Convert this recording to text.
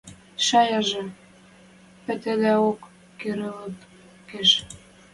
Шаяжы пӹтӹдеок кӹрӹлт кеш.